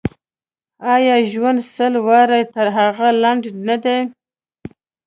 آیا ژوند سل واره تر هغه لنډ نه دی.